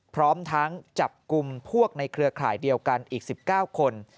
พร้อมทั้งจับกลุ่มพวกในเครือข่ายเดียวกันอีก๑๙คน